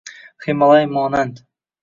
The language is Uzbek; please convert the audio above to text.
Himolay monand.